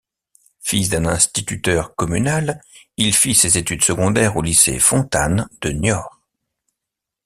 Fils d'un instituteur communal, il fit ses études secondaires au lycée Fontanes de Niort.